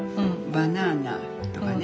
バナナとかね。